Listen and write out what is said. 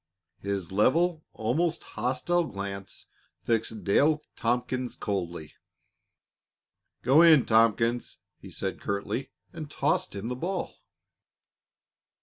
His level, almost hostile, glance fixed Dale Tompkins coldly. "Go in, Tompkins," he said curtly, and tossed him the ball.